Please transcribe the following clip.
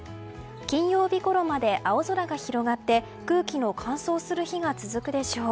金曜日ごろまで青空が広がって空気の乾燥する日が続くでしょう。